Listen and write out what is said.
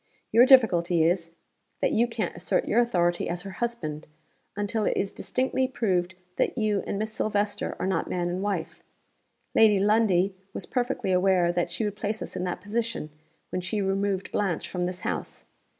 Your difficulty is, that you can't assert your authority as her husband, until it is distinctly proved that you and Miss Silvester are not man and wife. Lady Lundie was perfectly aware that she would place us in that position, when she removed Blanche from this house.